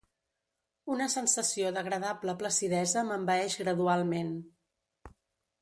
Una sensació d'agradable placidesa m'envaeix gradualment.